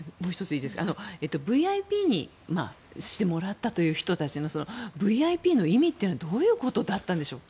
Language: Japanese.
ＶＩＰにしてもらったという人たちのＶＩＰの意味というのはどういうことだったんでしょう。